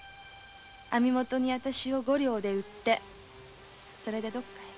網元に私を五両で売ってそれでどこかへ。